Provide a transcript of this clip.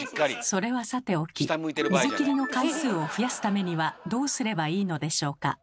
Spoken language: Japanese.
それはさておき水切りの回数を増やすためにはどうすればいいのでしょうか。